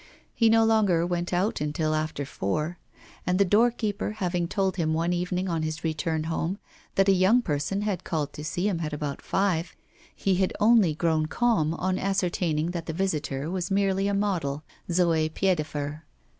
He no longer went out until after four, and the doorkeeper having told him one evening, on his return home, that a young person had called to see him at about five, he had only grown calm on ascertaining that the visitor was merely a model, Zoé Piedefer.